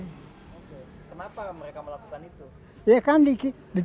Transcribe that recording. kenapa mereka melakukan itu